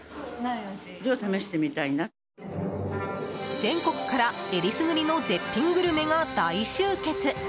全国から選りすぐりの絶品グルメが大集結。